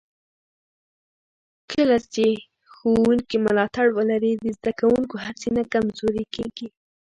کله چې ښوونکي ملاتړ ولري، د زده کوونکو هڅې نه کمزورې کېږي.